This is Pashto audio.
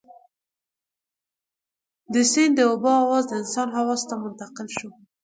د سيند د اوبو اواز د انسان حواسو ته منتقل شو.